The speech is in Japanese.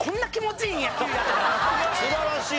素晴らしい！